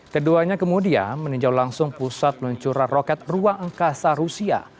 keduanya kemudian meninjau langsung pusat peluncuran roket ruang angkasa rusia